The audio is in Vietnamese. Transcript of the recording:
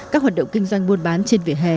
các hoạt động kinh doanh buôn bán trên vỉa hè